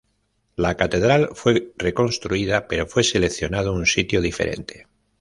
La catedral fue reconstruida, pero fue seleccionado un sitio diferente.